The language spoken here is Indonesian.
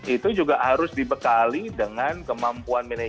itu juga harus dibekali dengan kemampuan manajemen